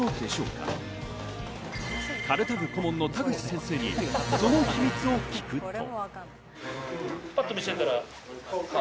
かるた部顧問の田口先生にその秘密を聞くと。